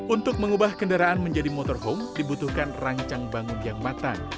untuk mengubah kendaraan menjadi motorhome dibutuhkan rancang bangun yang matang